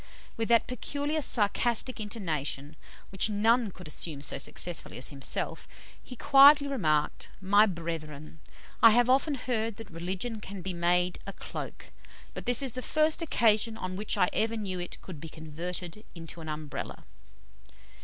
With that peculiar sarcastic intonation which none could assume so successfully as himself, he quietly remarked, "My brethren, I have often heard that religion can be made a cloak, but this is the first occasion on which I ever knew it could be converted into an Umbrella."